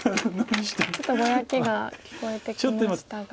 ちょっとぼやきが聞こえてきましたが。